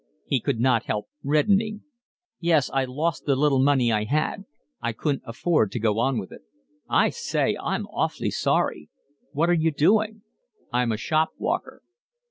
He could not help reddening. "Yes, I lost the little money I had. I couldn't afford to go on with it." "I say, I'm awfully sorry. What are you doing?" "I'm a shop walker."